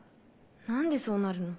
何でそうなるの。